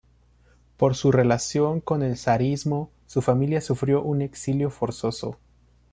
Por su relación con el zarismo, su familia sufrió un exilio forzoso.